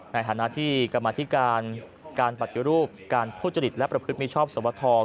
ในฐานะที่กรรมธิการการปฏิรูปการทุจริตและประพฤติมิชอบสวท